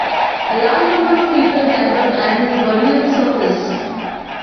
A large number of people gathered at his burial service.